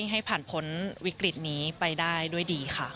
ให้ผ่านพ้นวิกฤตนี้ไปได้ด้วยดีค่ะ